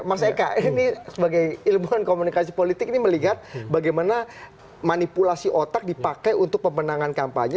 mas eka ini sebagai ilmuwan komunikasi politik ini melihat bagaimana manipulasi otak dipakai untuk pemenangan kampanye